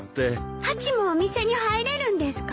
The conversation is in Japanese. ハチもお店に入れるんですか？